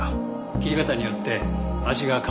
切り方によって味が変わるからって。